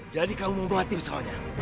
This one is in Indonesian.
jadi kamu menghutir soalnya